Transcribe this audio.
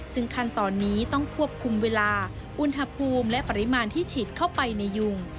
ซึ่งขั้นตอนนี้ต้องควบคุมเวลาอุณหภูมิและปริมาณที่ฉีดเข้าไปในยุง